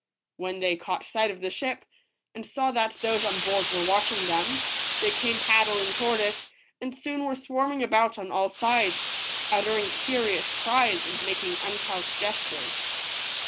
When they caught sight of the ship, and saw that those on board were watching them, they came paddling toward it, and soon were swarming about on all sides, uttering curious cries, and making uncouth gestures.